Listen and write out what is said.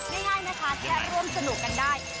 ได้ให้นะคะและร่วมสนุกกันได้